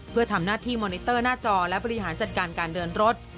เพื่อทำหน้าที่มอนิเตอร์หน้าจอและบริหารจัดการการเดินรถ